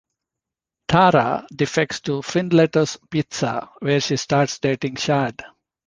Tara defects to Finletter's Pizza where she starts dating Chad.